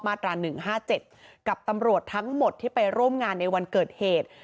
ตรา๑๕๗กับตำรวจทั้งหมดที่ไปร่วมงานในวันเกิดเหตุ